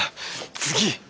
次！